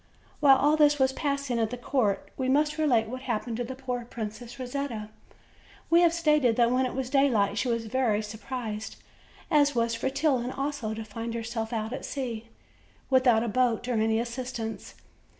While all this was passing at the court, we must relate what happened to the poor Princess Rosetta. We have stated that when it was daylight she was very much sur prised, as was Fretillon also, to find herself out at sea without a boat or any assistance.